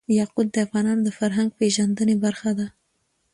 یاقوت د افغانانو د فرهنګ پیژندني برخه ده.